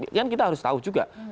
ini kan kita harus tahu juga